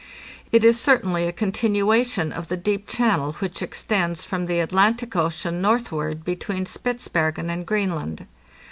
It is certainly a con tinuation of the deep channel which extends from the Atlantic Ocean northward between Spitzbergen and Greenland.